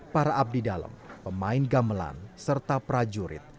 para abdidalam pemain gamelan serta prajurit